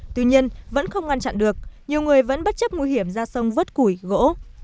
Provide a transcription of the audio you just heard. tuy nhiên vẫn không ngăn chặn được nhiều người vẫn bất chấp nguy hiểm ra sông vớt củi gỗ